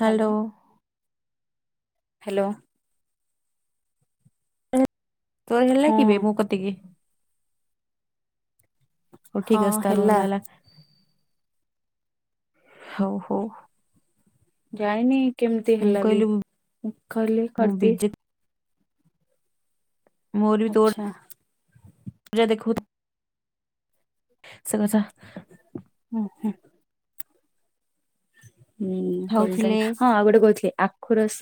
Hello. Hello. Hello. ଏହେ ତୋର ହଁ ହେଲା କିବେ ମୋ କତିକି? ହଉ ଠିକ ଅଛି ତାହେଲେ ଭଲ ହେଲା, ହଉ ହଉ। ଜାଣିନି କେମିତି ମୁଁ ହେଲା ବି? କହିଲି ମୁଁ ଖାଲି ମୁଁ କରିଦିଏ। ବିଜେ ମୋର ବି ତୋର ଆଚ୍ଛା। ପୂରା ଦେଖଉଥୁ ଶିଘ୍ର ସା ଅଁ, ହଁ। ହୁଁ, କଲ୍ ଟାଇମ୍ ଖାଉଥିଲେ ହଁ ଆଉ ଗୋଟେ କହିଥିଲି ଆ ଖୁ ରସ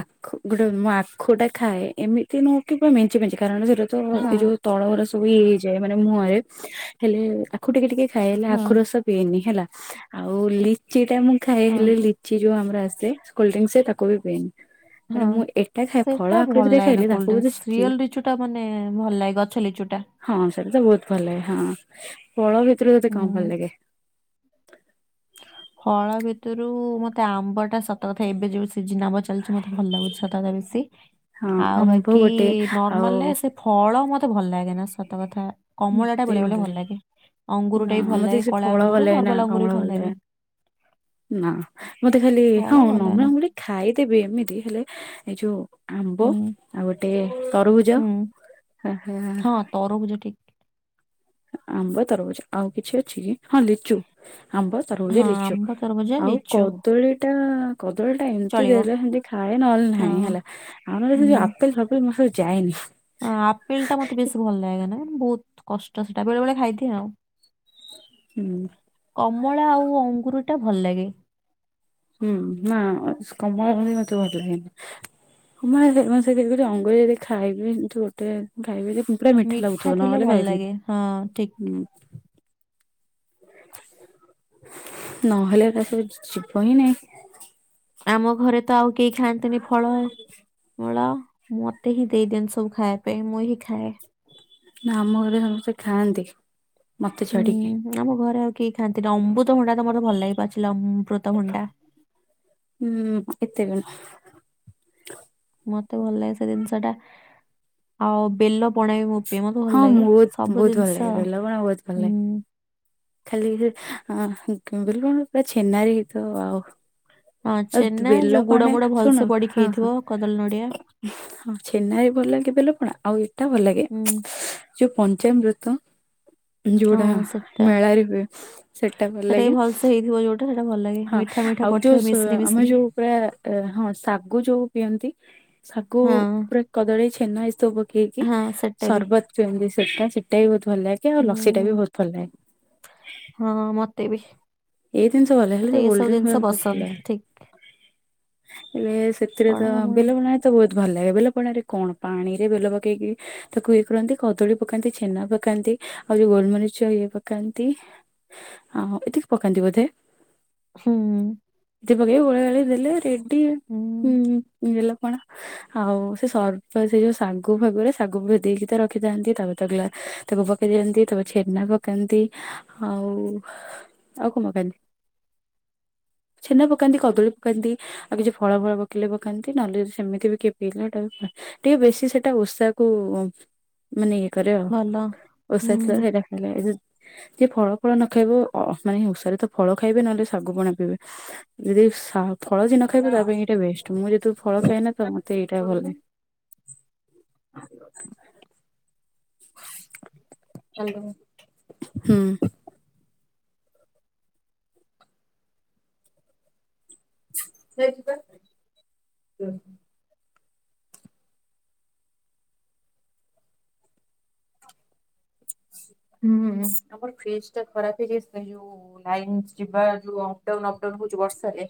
ଆଖୁ ଗୋଟେ ମୁଁ ଆଖୁ ଟା ଖାଏ ଏମିତି ନୁହଁ କି ପୁରା ମେଞ୍ଚେ ମେଞ୍ଚେ। କାରଣ ସେଉରା ତ ହଁ ଏଇ ଯୋଉ ତଳଉରା ସବୁ ଇଏ ହେଇଯାଏ ମାନେ ମୁହଁରେ, ହେଲେ ଆଖୁ ଟିକେ ଟିକେ ଖାଇଲେ ହଁ ଆଖୁ ରସ ପିଇନି ହେଲା। ଆଉ ଲି ଯେଟା ମୁଁ ହଁ ଖାଇଥିଲି ଲିଚି ଯୋଉ ଆମର ଆସେ, କୋଲଡ୍ରିଙ୍କସ୍ ରେ ତାକୁ ବି ପିଏନି। ମାନେ ମୁଁ ଏକ ସେଟା ଭଲ ଲାଗେ ନା କୋଲଡ୍ରିଙ୍କସ୍। ରିୟଲ୍ ଲିଚୁ ଟା ମାନେ ଭଲ ଲାଗେ ଗଛ ଲିଚୁ ଟା। ହଁ ସେଟା ତ ବହୁତ ଭଲ ଲାଗେ ହଁ, ଫଳ ଭିତରେ ତୋତେ କଣ ହୁଁ ଭଲ ଲାଗେ? ଫଳ ଭିତରୁ ମୋତେ ଆମ୍ବ ଟା ସତ କଥା ଏବେ ଯୋଉ ସିଜିନ୍ ଆମ୍ୱ ଚାଲୁଛୁ ମୋତେ ଭଲ ଲାଗୁଛି ସତ କଥା ବେଶି ହଁ ଆଉ ଆମ୍ବ ବାକି ଗୋଟେ ଆଉ ନର୍ମାଲ ରେ ସେ ଫଳ ମୋତେ ଭଲ ଲାଗେ ନା ସତ କଥା। କମଳା ଟା ବେଳେବେଳେ ଭଲ ଲାଗେ। ଅଙ୍ଗୁର ନା ଟା ବି ଭଲ ମତେ ଲାଗେ ସେ କଳା ଫଳ ଭଲ ଅଙ୍ଗୁର ଲାଗେ ନା ନର୍ମାଲ ଅଙ୍ଗୁର କମଳ ବି ଭଲ ଭଲ ଲାଗେ ଲାଗେ ନା ମୋତେ ଖାଲି ହଁ ଫଳ ଭଲ ଲାଗେ ନା ନର୍ମାଲ ଅଙ୍ଗୁଳି ଖାଇଦେବି ଏମିତି। ହେଲେ ଏଇ ଯୋଉ ଆମ୍ବ ହୁଁ ଆଉ ଗୋଟେ ତରଭୁଜ ହୁଁ ହଁ [unintelligible] ତରଭୁଜ ଟି ଆମ୍ବ, ତରଭୁଜ ଆଉ କିଛି ଅଛି କି ହଁ ଲିଚୁ, ଆମ୍ବ। ତରଭୁଜ, ହଁ ଲିଚୁ ଆମ୍ବ ତରଭୁଜ ଆଉ ଲିଚୁ କଦଳୀ ଟା କଦଳୀ ଟା ଏମିତି ଚଳିବ ଦେଲେ ସେମିତି ଖାଏ ନହେଲେ ହଁ ନାହିଁ ହେଲା। ଆଉ ନହେଲେ ସେ ଯୋଉ ହୁଁ ଆପେଲ ଫାପେଲ ମୋର ସବୁ ଯାଏନି। ହଁ ଆପେଲ୍ ଟା ମୋତେ ବେଶୀ ଭଲ ଲାଗେ ନା, ବହୁତ କଷ୍ଟ ସେଟା ବେଳେ ବେଳେ ଖାଇଦିଏ ଆଉ। ହୁଁ। କମଳା ଆଉ ଅଙ୍ଗୁରୁ ଟା ଭଲ ଲାଗେ। ହୁଁ, ନା ଅ, କମଳା ଭଳି ମୋତେ ଭଲ ଲାଗେନା। [unintelligible] ଅଙ୍ଗୁୁରୁ ଯଦି ଖାଇବି ଏମତି ଗୋଟେ ଖାଇବି ଯେ ଉଁ ପୂରା ମିଠା ଲାଗୁଥିବ ଥିଲେ ନହେଲେ ଭଲ ଖାଇବିନି ଲାଗେ ହଁ ଠିକ ହୁଁ,। ନହେଲେ ତା ସବୁ ଯିବ ହିଁ ନାହିଁ। ଆମ ଘରେ ତ ଆଉ କେହି ଖାଆନ୍ତିନି ଫଳ। ଫଳ ମୋତେ ହିଁ ଦେଇଦିଅନ୍ତି ସବୁ ଖାଇବା ପାଇଁ ମୁଁ ହିଁ ଖାଏ। ନା ଆମ ଘରେ ସମସ୍ତେ ଖାଆନ୍ତି ମୋତେ ହୁଁ ଛାଡ଼ିକି। ଆମ ଘରେ ଆଉ କେହି ଖାଆନ୍ତିନି, ଅବୁତ ଭଣ୍ଡା ମୋତେ ଭଲ ଲାଗେ ପାଚିଲା ଅବୃତ ଭଣ୍ଡା। ହୁଁ, ଏତେ [inaudible] ମୋତେ ଭଲ ଲାଗେ ସେ ଜିନିଷ ଟା। ଆଉ ବେଲ ପଣା ବି ମୁଁ ବି ମୋତେ ଭଲ ହଁ ଲାଗେ, ମୁଁ ସବୁ ବହୁତ ଭଲ ଜିନିଷ ଲାଗେ ବେଲପଣା ବହୁତ ଭଲ ହୁଁ, ଲାଗେ। ଖାଲି ସେ ଆଁ, ବିଲ ପଣା ପୁରା ଛେନାରେ ହେଇଥିବ ଆଉ। ହଁ ଆଉ ତୁ ଛେନା ବେଲ ଯୋଉ ଗୁଡ ପଣା ମୁଡ ଭଲସେ ଶୁଣ ପଡିକି ହଁ, ହେଇଥିବ ହଁ କଦଳୀ ନଡିଆ ହଁ ଛେନା ବି ଭଲ ଲାଗେ ବେଲ ପଣା। ଆଉ ଏଟା ଭଲ ଲାଗେ। ହୁଁ ଯୋଉ ପଞ୍ଚାମୃତ ଯୋଉଟା ହଁ ସେଟା ମେଳାରେ ହୁଏ ସେଟା ଭଲ ବି ଲାଗେ। ଭଲସେ ହେଇଥିବ ଯୋଉଟା ସେଟା ଭଲ ଲାଗେ ହଁ ମିଠା ମିଠା ଆଉ ପଡିଥିବ ଯୋଉ ମିଶ୍ରି ସ-ଆମେ ମିଶ୍ରି ଯୋଉ ପୁରା ଏ ହଁ ଶାଗୁ ଯୋଉ ପିଅନ୍ତି, ଶାଗୁ ହଁ ପୁରା କଦଳୀ ଛେନା ଏସବୁ ପ କେଇକି ହଁ ସେଟା ବି ସରବତ ଯେମିତି ସେଟା ସେଟା ବି ବହୁତ ଭଲ ଲାଗେ। ଆଉ ଲସିଟା ବି ହୁଁ ବହୁତ ଭଲ ଲାଗେ। ହଁ ମୋତେ ବି। ଏଇ ଜିନିଷ ଭଲ ହେଲେ ମତେ ଯୋଉ ଏସବୁ କୋଲଡ ଡ୍ରିଙ୍କ ଜିନିଷ ଗୁରା ମତେ ଭଲ ପସନ୍ଦ ଠିକ ଲାଗେନା। ଏବେ ସେଥିରେ ପଣା ତ ମଣା [unintelligible] ତ ବହୁତ ଭଲ ଲାଗେ ବେଲ ପଣାରେ କଣ ପାଣିରେ ବେଲ ପକେଇକି ତାକୁ ଇଏ କରନ୍ତି କଦଳୀ ପକାନ୍ତି ଛେନା ପକାନ୍ତି ଆଉ ଯୋଉ ଗୋଲମରିଚ ଇଏ ପ କାନ୍ତି ଆଉ ଏତିକି ପକାନ୍ତି ବୋଧେ। ହୁଁ। ଏତିକି ପକେଇ ଗୋଲେଇ ଗାଲେଇ ଦେଲେ ରେଡି ହୁଁ ହୁଁ ବେଲ ପଣା। ଆଉ ସେ ସର୍ବ ସେ ଯୋଉ ଶାଗୁ ଫାଗୁରା ଶାଗୁ ଭେଦେଇକି ତ ରଖିଥାନ୍ତି ତାପରେ ତାକୁ ଗ୍ଲା ତାକୁ ପକେଇଦିଅନ୍ତି ତା ପରେ ଛେନା ପକେ- ପକାନ୍ତି ଆଉ ଆଉ କଣ ପକାନ୍ତି। ଛେନା ପକାନ୍ତି କଦଳୀ ପକାନ୍ତି। ଆଉ କିଛି ଫଳ ଫଳ ପକେଇଲେ ପକାନ୍ତି ନହେଲେ ସେମିତି ବି କିଏ ପିଇଲେ ହେଟା ବି ଟିକେ ବେଶୀ ସେଟା ଓସା କୁ ମାନେ ଇଏ କରେ ଆଉ ଭଲ ହୁଁ। ଓଷା [inaudible] ଯିଏ ଫଳ ଫଳ ନ ଖାଇବ ଅ ମାନେ ଓଷାରେ ତ ଫଳ ଖାଇବେ ନହେଲେ ସାଗୁ ପଣା ପିଇବେ। ଯଦି ସ ଫଳ ଯିଏ ନ ଖାଇବ ହ୍ୟାଲୋ ତା ପାଇଁ ଏଇଟା ବେଷ୍ଟ ମୁଁ ଯେହେତୁ ଫଳ ଖାଇନା ତ ମତେ ଏଇଟା ଭଲ ଲାଗେ। ହ୍ୟାଲୋ। ହୁଁ। [inaudible] ହୁଁ ଆମର ଫ୍ରିଜ ଟା ଖରାପ ହେଇଯାଇଚି ତ [unintelligible] ଲାଇନ୍ ଯିବା ଯୋଉ ଅପ୍ ଡାଉନ୍ ଅପ୍ ଡାଉନ୍ ହଉଚି ବର୍ଷାରେ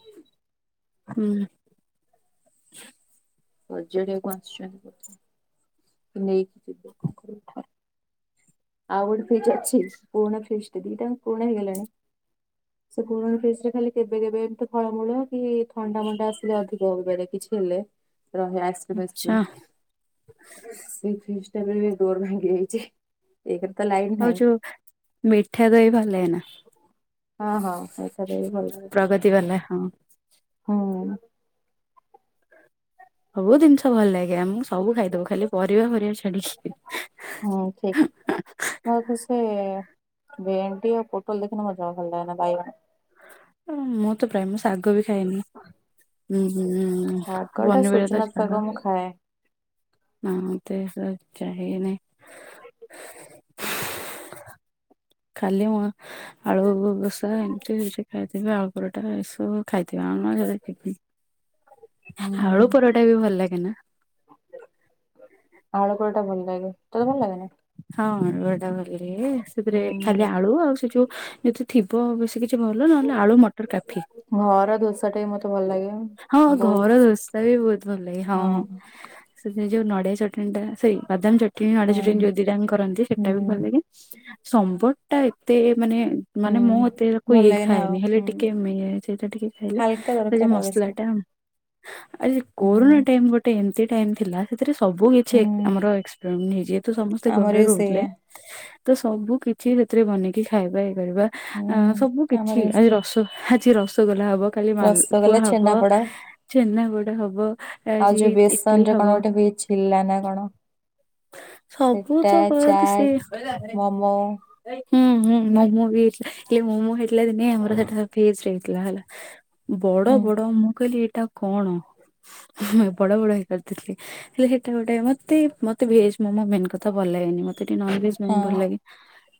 ହୁଁ। ସଜାଡ଼ି ବାକୁ ଆସିଛନ୍ତି ବଧେ ସେ ନେଇକି ଯିବେ କି କଣ କରିବେ। ଆଉ ଗୋଟେ ଫ୍ରିଜ ଅଛି ପୁରୁଣା ଫ୍ରିଜଟେ ଦିଇଟାଙ୍କ ପୁରୁଣା ହେଇଗଲାଣି। ସେ ପୁରୁଣା ଫ୍ରିଜ ରେ ଖାଲି କେବେ କେବେ ଏମିତି ଫଳମୂଳ କି ଥଣ୍ଡା ମଣ୍ଡା ଆସିଲେ ଅଧିକ ହାରେ କିଛି ହେଲେ। ରହେ ଆଇସିକ୍ରିମ ଆଚ୍ଛା ଫାଇସିକ୍ରିଁମ୍ ସେଇ ଫ୍ରିଜ ଟାର ବି ଡୋର୍ ଭାଙ୍ଗି ଯାଇଛି। ଏକ ରେ ତ ଲାଇ ଆଉ ଯୋଉ ମିଠା ଦହି ଭଲ ଲାଗେନା। ହଁ ହଁ ହେ ପ୍ରଗତି ବାଲା ହଁ। ହଁ। ସବୁ ଜିନିଷ ଭଲ ଲାଗେ ଆମକୁ ସ ସବୁ ଖାଇଦବୁ ଖାଲି ପରିବା ଫରିବା ଛାଡିକି। ମୋ ତ ସେ ଭେଣ୍ଡି ଆଉ ପୋଟଲ ଦେଖିନେ ମତେ ଯମା ଭଲ ଲାଗେନା ବାଇଗଣ ହ ମୁଁ ତ ପ୍ରାୟ ମୁଁ ଶାଗ ବି ଖାଏନି ଉଁ ଉଁ ଶାଗ ଟା ପନିପରିବା ତ ସଜନା ଶାଗ ଛାଡ। ମୁଁ ଖାଏ। [unintelligible] [inaudible] ଖାଲି ମୁଁ ଆଳୁ ଭୋଷା ଏମିତି ସେ ଖାଇଥିବି ଆଳୁ ପରଟା ଏସବୁ ଖାଇଥିବି ଆଉ ନହେଲେ [inaudible] ହୁଁ ଆଳୁ ପରଟା ବି ଭଲ ଲାଗେନା। ଆଳୁ ପରଟା ଭଲ ଲାଗେ। ତତେ ଭଲ ଲାଗେ ନା? ହଁ ଆଳୁ ଅଟା ଭଲ ଲାଗେ ସେଥିରେ ଖାଲି ଆଳୁ ଆଉ ସେ ଯୋଉ ଯୋଉ ଥି ଥିବ ବେଶୀ କିଛି ଭଲ ନହେଲେ ଆଳୁ ମଟର କାଫି। ଘର ଦୋଷାଟା ହଁ ଘର ଦୋଶା ବି ବହୁତ ଭଲ ଲାଗେ ହଁ ହଁ। ସେଥିରେ ଯୋଉ ନଡିଆ ଚଟଣି ଟା ସରି ବାଦାମ ଚଟଣି ନଡିଆ ହଁ। ଚଟଣି ଯୋଉ ଦିଟାଙ୍କ କରନ୍ତି ହୁଁ ସେଟା ବି ଭଲ ଲାଗେ। ସମ୍ବର ଟା ଏତେ ମାନେ ମାନେ ମୁଁ ହୁଁ ଏତେ କୁ ଭଲ ଇଏ ଲାଗେ ନା ଆଉ ଖାଏନି ହେଲେ ହୁଁ ଟିକେ ମିଏ ସେଟା ଟିକେ ଖାଇଲେ ହାଲକା ସେ ଯଉ ଦରକାର ଆଉ ମସଲା ବେଶୀ। ଟା ଆ ହୁଁ କୋରୋନା ଟାଇମ ଗୋଟେ ଏମତି ଟାଇମ ଥିଲା ସେଥିରେ ସବୁ କିଛି ଏକ୍ ହୁଁ ଆମର ଏକ୍ସ୍ ଯେହେତୁ ସମସ୍ତେ ଆମର ଘରେ ବି ରହୁଥିଲେ। ସେଇଆ ତ ସବୁ କିଛି ସେଥିରେ ବନେଇକି ଖାଇବା ଇଏ କରିବା ହୁଁ ଆଁ ସବୁ ଆମର କିଛି ବି ଆଜି ସେଇଆ। ରସ ଆଜି ରସଗୋଲା ହବ। କାଲି ମାଲପୁଆ ରସଗୋଲା ହବ ଛେନାପୋଡ ଛେନାଗୋଡ ହବ ଆଜି ଇଟଲି ହବ। ଥିଲା ନା କଣ? ସବୁ ସେଟା ତ କରନ୍ତି ଚାଟ ସିଏ। ମୋମୋ ହୁଁ ହୁଁ ମୋମୋ ବି ହେଇ ହେ ମୋମୋ ହେଇଥିଲା ଦିନେ ଆମର ସେଟା ପି ଏଜ୍ ରେ ହେଇଥିଲା ହେଲା। ବଡ଼ ହୁଁ। ବଡ଼ ମୁଁ କହିଲି ଏଇଟା କଣ ମୁଁ ବଡ଼ ବଡ଼ ହେଇ କରିଥିଲି ହେଲେ ସେଟା ଗୋଟେ ମତେ ମତେ ଭେଜ୍ ମୋମୋ ମେନ୍ କଥା ଭଲ ଲାଗେନି ମତେ ଟିକେ ନନ୍ଭେଜ ହଁ ମୋମୋ ଭଲ ଲାଗେ।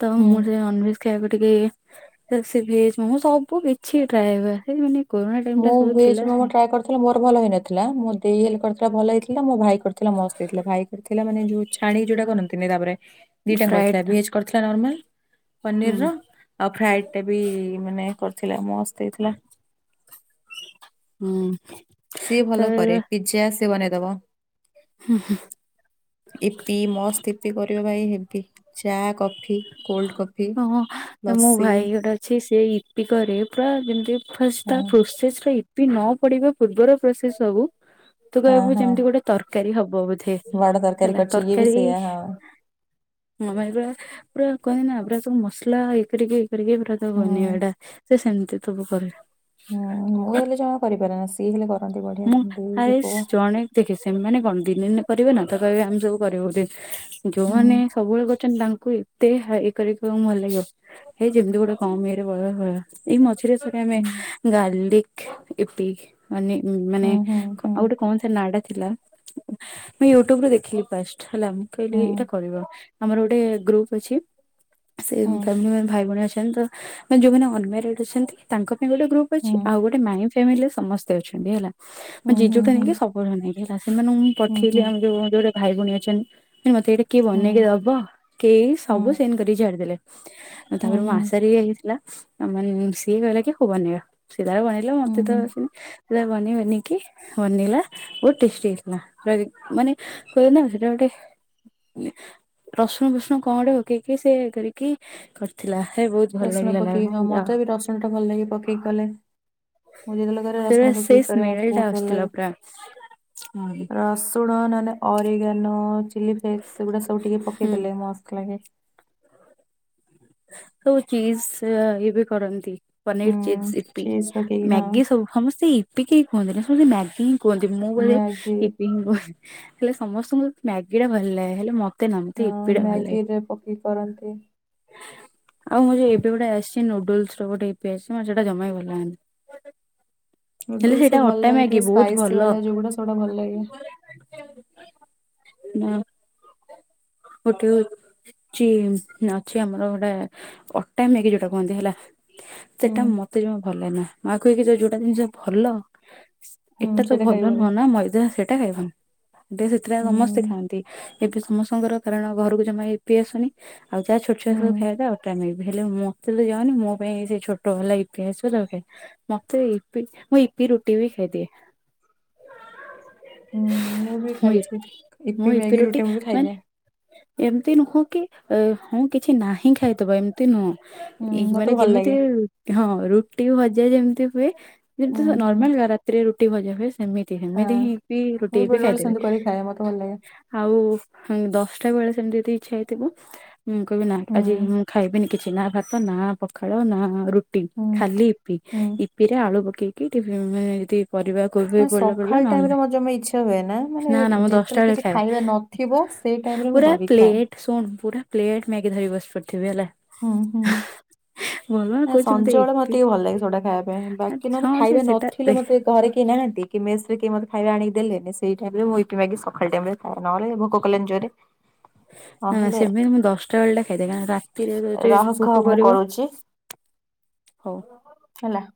ତ ହୁଁ ମୁଁ ସେ ନନ ଭେଜ ଖାଇବାକୁ ଟିକେ ସେ ଭେଜ ମୋମୋ ସବ ସବୁ କିଛି ଟ୍ରାଏ ହୁଏ ସେ ମାନେ କୋରନା ଟାଇମ ମୁଁ ଟା ସବୁ ଭେଜ ଥିଲା ମୋମୋ ସବୁ ଟ୍ରାଏ ମୋର ଭଲ ହେଇନଥିଲା ମୁଁ ଦେଇ ହେଲେ କରିଥିଲା ଭଲ ହେଇଥିଲା ମୋ ଭାଇ କରିଥିଲା ମସ୍ତ ହେଇଥିଲା ଭାଇ କରିଥିଲା। ପିଲା ମାନେ ଯୋଉ ଛାଣି ଯୋଉଟା କରନ୍ତିନି ତାପରେ ଦିଟା ଫ୍ରାଏଡ କରିଥିଲା ଟା ଭେଜ୍ କରିଥିଲା ନର୍ମାଲ ପନିର ହୁଁ ର ଆଉ ଫ୍ରାଏଡ ଟା ବି ମାନେ କରିଥିଲା ମସ୍ତ ହେଇଥିଲା। ହୁଁ। ସିଏ ଭଲ ତ କରେ ପିଜ୍ଜା ସିଏ ବନେଇଦବ। ହୁଁ ହୁଁ। ଇପି ମସ୍ତ୍ ଇପି କରିବ ଭାଈ ହେବି ଚା କଫି କୋଲ୍ଡ କଫି ହଁ ମୋ ଲସି ଭାଇ ଗୋଟେ ଅଛି ସେ ଇ ଇପୀ କରେ ପୁରା ଯେମିତି ଫାଷ୍ଟ ହଁ ତା ପ୍ରୋସେସରେ ଈପି ନ ପଡିବା ପୂର୍ବର ପ୍ରୋସେସ ସବୁ ତୁ ହଁ କହିବୁ ହଁ ଯେମିତି ଗୋଟେ ତରକାରୀ ହବ ବୋଧେ ବଡ ତରକାରୀ ହେଲା କରିଛି ଇଏ ବି ତରକାରୀ ସେଇଆ ହଁ ମୋ ଭାଈ ପୁରା ପୁରା କହନ୍ତି ନା ପୁରା ସବୁ ମସଲା ଇଏ କରିକି କରିକି ପୁରା ତ ହୁଁ। ବନେଇବାଟା ସେ ସେମିତି ସବୁ କରେ। ହୁଁ ମୁଁ ହେଲେ ଜମା କରିପାରେ ନା ସିଏ ହେଲେ କରନ୍ତି ବଢିଆ ମୁଁ ଦେଇକି ହାଏସ୍ ପୁଅ ଜଣେ ଦେଖେ ସେମାନେେ କଣ ଦିନେ ଦିନେ କରିବେ ନା ତ କହିବେ ଆମେ ସବୁ କରିବ ବୋଧେ ହୁଁ ଯୋଉମାନେ ସବୁବେଳେ କହୁଛନ୍ତି ତାଙ୍କୁ ହି ତେ ହେଇ କରିକୀ କର ଭଲ ଲାଗିବ ହେ ଯେମିତି ଗୋଟେ କମ ଇଏରେ ବ ଭ ଏଇ ମଝିରେ ସେ ଆମେ ହୁଁ ଗାର୍ଲିକ ଇପି ମାନେ ମାନେ ହୁଁ କ ହୁଁ ଆଉ ଗୋଟେ କଣ ସେ ନା ଟା ଥିଲା ମୁଁ ୟୁଟ୍ୟୁବରେ ଦେଖିବି ଫାଷ୍ଟ ହେଲା ମୁଁ କହିଲି ହୁଁ ଏଇଟା କରିବ ଆମର ଗୋଟେ ଗ୍ରୁପ ଅଛି ସେ ହୁଁ ଫ୍ୟାମିଲି ମାନେ ଭାଇ ଭଉଣୀ ଅଛନ୍ତି ତ ମାନେ ଯୋଉମାନେ ଅନମାରେଡ୍ ରେଡ୍ ଅଛନ୍ତି ତାଙ୍କ ପାଇଁ ଗୋଟେ ଗ୍ରୁପ ହୁଁ ଅଛି ଆଉ ଗୋଟେ ମାଇଁ ଫାମିଲିରେ ସମସ୍ତେ ଅଛନ୍ତି ହେଲା। ମଁ ହୁଁ ହୁଁ ଜେଜେଟା ହୁଁ ନେଇକି ସବୁଠୁ ନେଇକି ହେଲା ସେମାନଙ୍କୁ ମୁଁ ହୁଁ ହୁଁ ହୁଁ ପଠେଇଲି ହୁଁ ଆମ ଯୋଉ ଯୋଉଟେ ଭାଇ ଭଉଣୀ ଅଛନ୍ତି। ମତେ ଏଇଟା କିଏ ହୁଁ ବନେଇକି ଦବ କେଇ ସବୁ ହୁଁ ସିନ୍ କରିକି ଛାଡିଦେଲେ। ତାପରେ ହୁଁ ହୁଁ ମାସାରୀ ହେଇଥିଲା ମାନେ ସିଏ କହିଲା କି ହଉ ବନେଇବା ସିଏ ତାର ବନେଇ ଥିଲା ମତେ ତ ହୁଁ ଆସି ସେ କହିଲା ବନେଇବାନିକି ବନେଇଲା ବହୁତ ଟେଷ୍ଟି ହେଁଇଥିଲା ମାନେ କହିଲି ନା ସେଟା ଗୋଟେ ରସୁଣ ଫସୁଣ କଣ ଗୋଟେ ପକେଇକି ସେ କରିକି କରିଥିଲା ହେ ବହୁତ ଭଲ ରସୁଣ ଲାଗିଲା ନା ପକେଇକି ହଁ ଯା ମତେ ହଉ ବି ରସୁଣ ଭଲ ଲାଗେ ପକେଇକି କଲେ ମୁଁ ଯେତେବେଳେ କରେ ହଉ ରସୁଣ ସେଇ ପକେଇକି କରେ ମୁଁ ସ୍ମେଲ ଟା ବହୁତ ଭଲ ଆସୁଥିଲା ଲାଗେ ପୁରା। ରସ ଶୁଣ ନହେଲେ ଅରିଗାନୋ ଚିଲି ଫ୍ଲେକ୍ସ ସେଗୁଡ଼ା ସବୁ ଟିକେ ପକେଇ ହୁଁ ଦେେଲେ ମସ୍ତ୍ ଲାଗେ। ଯୋଉ ଚିଜ ଇଏ ବି କରନ୍ତି। ପନିର ଚିଜ୍, ହୁଁ ଇପି ଚିଜ ପକେଇକି ହଁ ମ୍ୟାଗି ସବୁ ସମସ୍ତେ ଇପି କେହି କୁହନ୍ତିନି ସମସ୍ତେ ମ୍ୟାଗି କୁହନ୍ତି, ମୁଁ କୋଉ ମ୍ୟାଗି ଇପି କ ହେଲେ ସମସ୍ତଙ୍କୁ ମ୍ୟାଗି ଟା ଭଲ ଲାଗେ ହେଲେ ମ ମତେ ନମ ଇପି ଟା ଭଲଲାଗେ। କି କରନ୍ତି। ଆଉ ମୁଁ ଯୋଉ ଏବେ ଗୋଟେ ଆସିଛି ନୁଡୁଲ୍ସର ଗୋଟେ ୟିପି ଆସିଛି ମତେ ସେଟା ଜମା ବି ଭଲ ଲାଗୁନି। ହେଲେ ବି ସେଇଟା ଭଲ ଅଟା ଲାଗେ ମ୍ୟାଗି ଟିକେ ବହୁତ ଭଲ। ବାଲା ଯୋଉଗୁଡା ସେଗୁଡା ଭଲ ଲାଗେ। ନା। ଗୋଟେ ହଉଛି ଅଛି ଆମର ଗୋଟେ ଅଟା ମ୍ୟାଗି ଯୋଉଟା କୁହନ୍ତି ହେଲା। ହୁଁ ସେଟା ମତେ ଜମା ଭଲ ନା। ମା କହେ କି ଯ-ଯୋଉଟା ଜିନିଷ ଭଲ ହୁଁ ଏଟା ତ ସେଇଟା ଭଲ ଖାଇବନି। ନୁହଁ ନା ମଇଦା ସେଇଟା ଖାଇବନି [unintelligible] ସେଥିପାଇଁ ହୁଁ ସମସ୍ତେ ଖାଆନ୍ତି। ଏବେ ସମସ୍ତଙ୍କର କାରଣ ଘରକୁ ଜମା ୟିପି ଆସୁନି। ଆଉ ଯାହା ଛୋଟ ଛୁଆ ହୁଁ ସବୁ ଖାଇବେ ଆଉ। [unintelligible] ହେଲେ ମତେ ତ ଯାଉନି, ମୋ ପାଇଁ ସେ ଛୋଟ ବାଲା ୟିପି ଆସିବ ତାକୁ ମତେ ୟିପି, ମୁଁ ୟିପି, ରୁଟି ବି ଖାଇଦିଏ। ହୁଁ, ମୁଁ ବି ମୁଁ ଖାଇଛି ମୁଁ ୟିପି, ଇପି ମ୍ୟାଗି, ରୁଟି ମୁଁ ବି ମାନେ ଖାଇଦିଏ। ଏମିତି ନୁହଁ କି, ହଁ କିଛି ନାହିଁ ଖାଇଦବ। ଏମ ଏମିତି ନୁହଁ, ହୁଁ ଏଇ ମାନେ ମତେ ଭଲ ଯେମିତି ଲାଗେ। ହଁ ରୁଟି, ଭଜା ଯେମିତି ହୁଏ ଯେମିତି ହୁଁ ତ ହୁଁ ନର୍ମାଲ ରାତିରେ ରୁଟି, ଭଜା ହୁଏ ସେମିତି, ସେମିତି ହଁ ହିଁ ୟିପି, ମୁଁ ରୁଟି ବି ବେଳେବେଳେ ଖାଇଦେବି। ସେମିତି କରି ଖାଏ ମତେ ଭଲ ଲାଗେ। ଆଉ ଦଶଟା ବେଳେ ସେମିତି ଯଦି ଇଚ୍ଛା ହେଇଥିବ, ମୁଁ କହିବି ନା ହୁଁ ଆଜି ମୁଁ ଖାଇବିନି। କିଛି ନା ଭାତ ନା ପଖାଳ ନା ରୁଟି ହୁଁ ଖାଲି ୟିପି। ହୁଁ ୟିପି ରେ ରେ ଆଳୁ ପକେଇକି ପରିବା କୋବି ନା ପଡିଲା ପଡିଲା ସକାଳ ନହେଲେ ଟାଇମରେ ନାହିଁ ମୋର ଜମା ଇଚ୍ଛା ହୁଏ ନା ମାନେ ନା ମୁଁ ଦଶଟା ଯେତେବେଳେ ବେଳେ କିଛି ଖାଏ ଖାଇବା ନଥିବ ସେଇ ଟାଇମ୍ ରେ ମୁଁ ପୁରା କରିକି ଖାଏ। ପ୍ଲେଟ୍ ଶୁଣ ପୁରା ପ୍ଲେଟ ମ୍ୟାଗି ଧରି ବସି ପଡ଼ିଥିବି ହେଲା। ହୁଁ, ହୁଁ। ଭଲ ନା କହୁଛି ସଞ୍ଜବେଳେ ମତେ ଇପି ଟିକେ ଭଲ ଲାଗେ ସେଗୁଡା ଖାଇବା ପାଇଁ। ବାକି ନହେଲେ ହଁ ଯେ ଖାଇବା ସେଟା ଦେଖ ନଥିଲେ ମତେ ଘରେ କେହି ନାହାନ୍ତି କି, ମେସ ରେ କିଏ ଖାଇବା ଆଣିକି ଦେଲେନି ସେଇ ଟାଇମ୍ ରେ ମୁଁ ୟିପି, ମ୍ୟାଗି ସକାଳ ଟାଇମ୍ ରେ ନହେଲେ ଭୋକ କଲାନି ଜୋରେ। ନା, ନା, ନହେଲେ ସେମିତି ମୁଁ ଦଶଟା ବେଳେ ଟା ଖାଇଦିଏ କାରଣ ରାତିରେ ଯଦି ରଖ ଭୋକ ମୁଁ କରିବ। କରୁଛି ହଉ। ହେଲା।